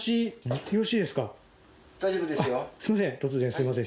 すいません。